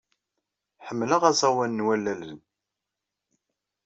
Ḥemmleɣ aẓawan n wallalen.